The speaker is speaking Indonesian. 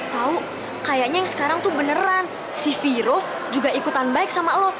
tau kayaknya yang sekarang tuh beneran si viro juga ikutan baik sama lo